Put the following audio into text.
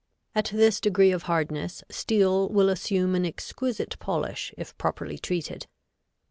At this degree of hardness steel will assume an exquisite polish if properly treated.